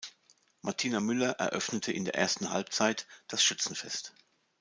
Martina Müller eröffnete in der ersten Halbzeit das "Schützenfest".